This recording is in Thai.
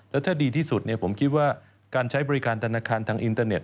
แล้วถ้าดีที่สุดผมคิดว่าการใช้บริการธนาคารทางอินเตอร์เน็